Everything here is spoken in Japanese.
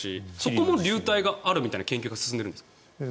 そこも流体があるみたいな研究が進んでいるんですか？